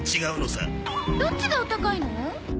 どっちがお高いの？